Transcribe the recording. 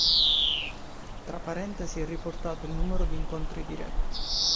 Tra parentesi è riportato il numero di incontri diretti.